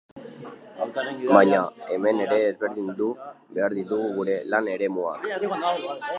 Baina, hemen ere ezberdindu behar ditugu gure lan eremuak.